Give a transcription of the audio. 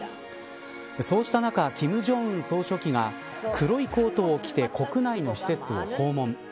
そうした中、金正恩総書記が黒いコートを着て国内の施設を訪問。